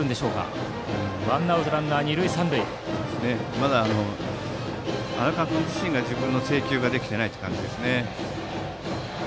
まだ荒川君自身が自分の制球ができていない感じですよね。